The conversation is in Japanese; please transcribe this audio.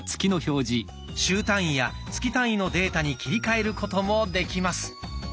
週単位や月単位のデータに切り替えることもできます。